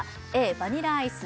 バニラアイス